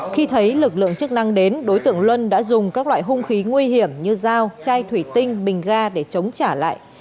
khi thấy lực lượng chức năng đến đối tượng luân đã dùng các loại hung khí nguy hiểm như dao chai thủy tinh bình ga để chống trả lại